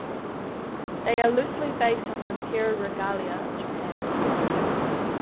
They are loosely based on the Imperial Regalia of Japan.